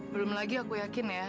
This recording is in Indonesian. belum lagi aku yakin ya